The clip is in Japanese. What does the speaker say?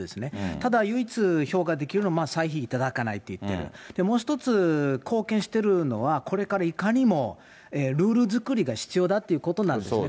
ただ、唯一評価できるのは、歳費頂かないって言ってる、もう一つ貢献してるのは、これからいかにも、ルール作りが必要だっていうことなんですね。